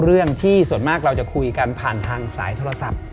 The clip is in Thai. เรื่องที่ส่วนมากเราจะคุยกันผ่านทางสายโทรศัพท์